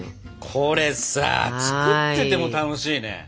これさ作ってても楽しいね。